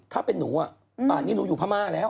ถ้าเป็นหนูป่านนี้หนูอยู่พม่าแล้ว